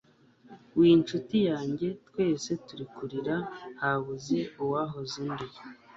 wincuti yanjye twese turi kurira habuze uwahoza undi